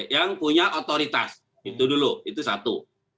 yang punya otoritas itu dulu itu satu